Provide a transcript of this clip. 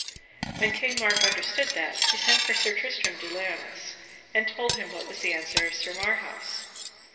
When King Mark understood that, he sent for Sir Tristram de Liones and told him what was the answer of Sir Marhaus.